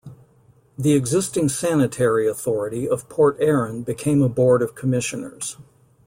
The existing sanitary authority of Port Erin became a board of Commissioners.